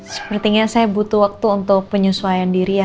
sepertinya saya butuh waktu untuk penyesuaian diri ya